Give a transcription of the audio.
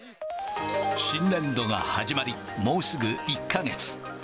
新年度が始まり、もうすぐ１か月。